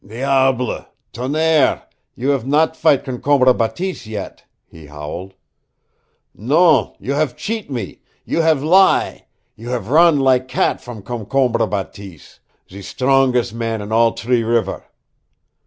"Diable! Tonnerre! You have not fight Concombre Bateese yet!" he howled. "Non, you have cheat me, you have lie, you have run lak cat from Concombre Bateese, ze stronges' man on all T'ree River!